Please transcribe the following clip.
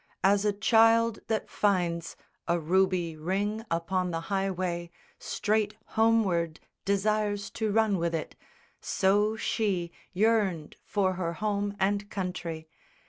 As a child that finds A ruby ring upon the highway, straight Homeward desires to run with it, so she Yearned for her home and country.